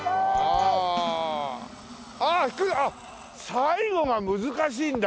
最後が難しいんだ。